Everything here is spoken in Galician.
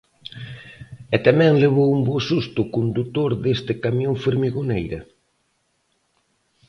E tamén levou un bo susto o condutor deste camión formigoneira.